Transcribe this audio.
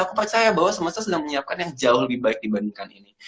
aku percaya bahwa semester sedang menyiapkan yang jauh lebih baik dibandingkan ini